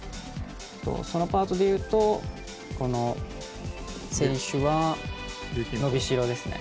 そのパートでいうとこの選手は伸びしろですね。